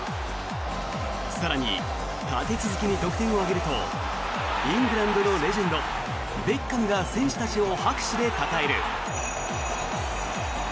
更に、立て続けに得点を挙げるとイングランドのレジェンドベッカムが選手たちを拍手でたたえる。